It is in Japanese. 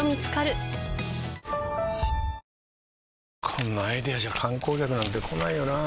こんなアイデアじゃ観光客なんて来ないよなあ